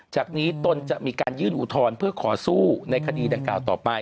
จากนี้ตนจะมีการยื่นอุทธรณ์เพื่อขอสู้ในคดีดังกล่าวต่อไป